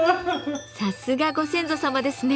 さすがご先祖様ですね。